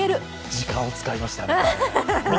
時間を使いましたね。